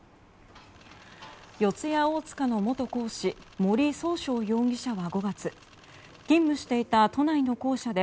四谷大塚の元講師森崇翔容疑者は５月勤務していた都内の校舎で